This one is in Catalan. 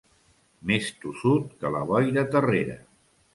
Més tossut que la boira terrera.